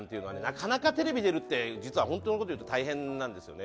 なかなかテレビ出るって実は本当の事言うと大変なんですよね。